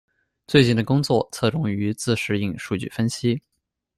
最近的工作侧重于自适应数据分析。